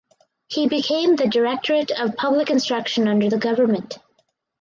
He became the Directorate of Public Instruction under the Govt.